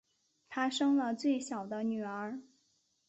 她生了最小的女儿